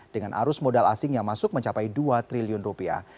dengan arus modal asing yang masuk mencapai dua triliun rupiah